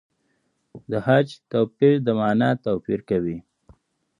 د خج توپیر د مانا توپیر کوي.